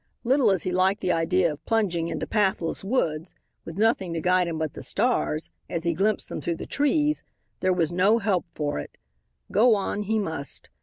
Little as he liked the idea of plunging into pathless woods, with nothing to guide him but the stars, as he glimpsed them through the trees, there was no help for it. Go on he must.